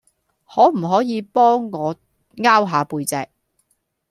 可唔可以幫我 𢯎 下背脊